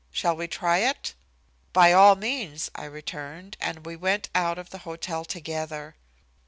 Shall we try it?" "By all means," I returned, and we went out of the hotel together.